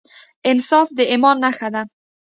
انصاف د ایمان نښه ده.